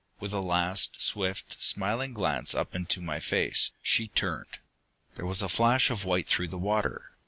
With a last swift, smiling glance up into my face, she turned. There was a flash of white through the water.